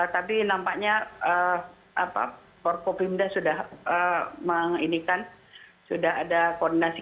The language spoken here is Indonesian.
tapi nampaknya korpopimda sudah menginginkan sudah ada koordinasi